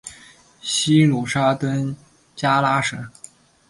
西努沙登加拉省。